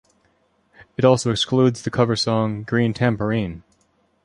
It also excludes the cover song "Green Tamborine".